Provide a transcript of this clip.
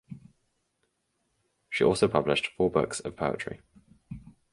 She also published four books of poetry.